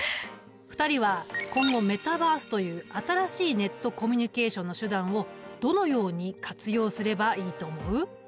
２人は今後メタバースという新しいネットコミュニケーションの手段をどのように活用すればいいと思う？